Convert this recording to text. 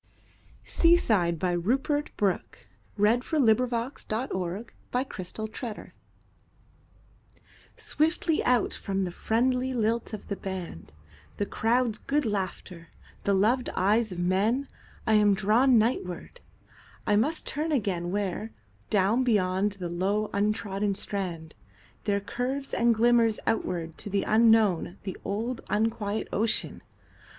CORD Rupert Brooke (1887–1915). Collected Poems. 1916. I. 1905–1908 8. Seaside SWIFTLY out from the friendly lilt of the band, The crowd's good laughter, the loved eyes of men,I am drawn nightward; I must turn againWhere, down beyond the low untrodden strand, There curves and glimmers outward to the unknownThe old unquiet ocean.